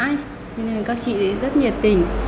cho nên các chị rất nhiệt tình